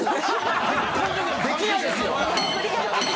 できないですよ！